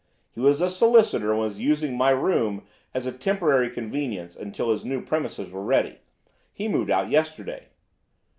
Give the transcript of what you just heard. He was a solicitor and was using my room as a temporary convenience until his new premises were ready. He moved out yesterday.